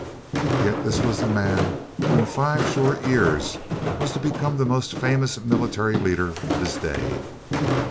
Yet this was the man who in five short years was to become the most famous military leader of his day.